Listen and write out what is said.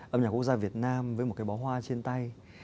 âm nhạc quốc gia việt nam với một cái bó hoa trên tay